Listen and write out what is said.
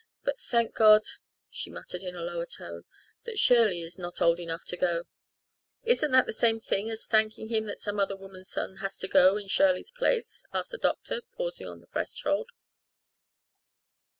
But thank God," she muttered in a lower tone, "that Shirley is not old enough to go." "Isn't that the same thing as thanking Him that some other woman's son has to go in Shirley's place?" asked the doctor, pausing on the threshold.